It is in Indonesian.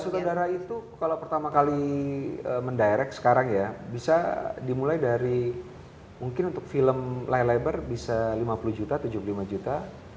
sutradara itu kalau pertama kali mendirect sekarang ya bisa dimulai dari mungkin untuk film lay labor bisa lima puluh juta tujuh puluh lima juta